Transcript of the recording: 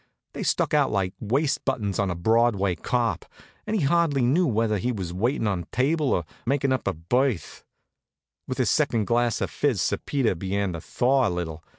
They stuck out like the waist buttons on a Broadway cop, and he hardly knew whether he was waitin' on table, or makin' up a berth. With his second glass of fizz Sir Peter began to thaw a little.